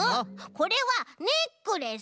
これはネックレス！